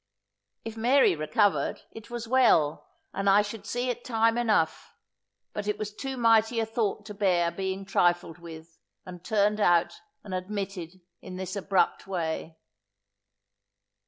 If Mary recovered, it was well, and I should see it time enough. But it was too mighty a thought to bear being trifled with, and turned out and admitted in this abrupt way.